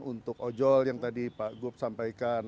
untuk ojol yang tadi pak gup sampaikan